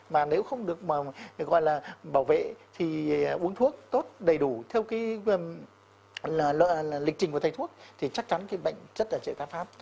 mà nếu không được mà gọi là bảo vệ thì uống thuốc tốt đầy đủ theo cái lịch trình của thầy thuốc thì chắc chắn cái bệnh rất là sẽ tái phát